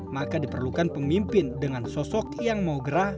maka diperlukan pemimpin dengan sosok yang mau gerah